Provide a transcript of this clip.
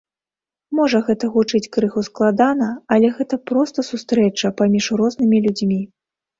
Можа гэта гучыць крыху складана, але гэта проста сустрэча паміж рознымі людзьмі.